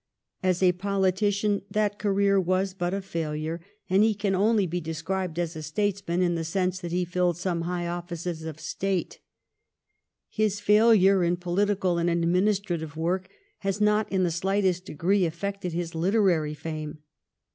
As a politician that career was but a failure, and he can 1715 'ATTIOUS; 289 only be described as a statesman in the sense that he filled some high ojffices of State. His failure in political and administrative work has not in the slightest degree affected his literary fame.